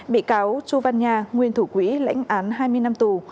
bị cáo chu văn nhà nguyên thủ quỹ lãnh án hai mươi năm tù